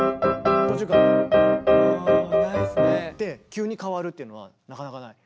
急に変わるっていうのはなかなかない。